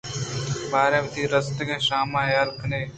باریں وتی ریستگیں شام ءِ حال ءَ کن